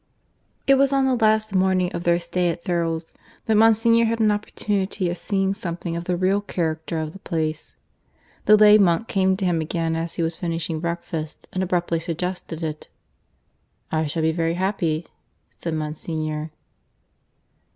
(VII) It was on the last morning of their stay at Thurles that Monsignor had an opportunity of seeing something of the real character of the place. The lay monk came to him again, as he was finishing breakfast, and abruptly suggested it. "I shall be very happy," said Monsignor.